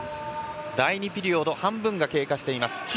第２ピリオド半分が経過しています。